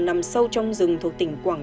nằm sâu trong rừng thuộc tỉnh quảng ngã